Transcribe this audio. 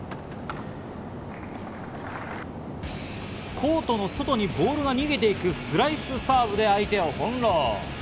コートの外にボールが逃げていくスライスサーブで相手を翻弄。